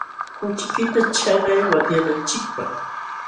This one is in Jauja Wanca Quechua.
Kuchiykita chalay watyananchikpaq.